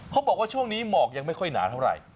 เขาบอกว่าช่วงนี้หมอกยังไม่ค่อยหนาเท่าไหร่